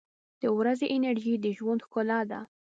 • د ورځې انرژي د ژوند ښکلا ده.